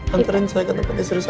anterin saya ke tempat istri saya